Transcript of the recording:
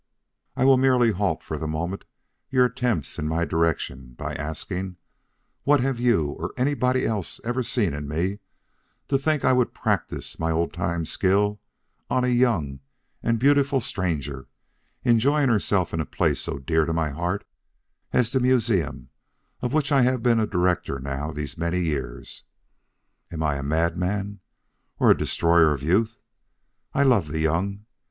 I will merely halt for the moment your attempts in my direction, by asking, what have you or anybody else ever seen in me to think I would practise my old time skill on a young and beautiful stranger enjoying herself in a place so dear to my heart as the museum of which I have been a director now these many years? Am I a madman, or a destroyer of youth? I love the young.